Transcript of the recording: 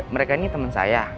mereka ini temen saya